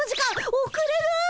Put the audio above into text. おくれる！